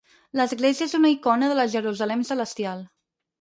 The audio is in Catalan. L'Església és una icona de la Jerusalem celestial.